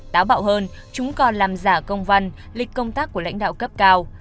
táo bạo hơn chúng còn làm giả công văn lịch công tác của lãnh đạo cấp cao